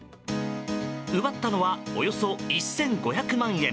奪ったのはおよそ１５００万円。